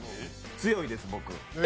強いです、僕。